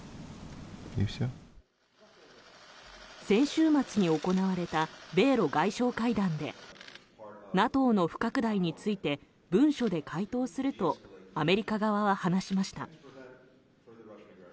先週末に行われた米ロ外相会談でＮＡＴＯの不拡大について文書で回答するとアメリカ側は話しました。